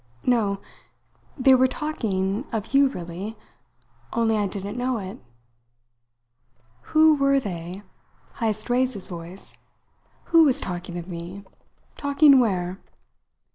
"No. They were talking of you really; only I didn't know it." "Who were they?" Heyst raised his voice. "Who was talking of me? Talking where?"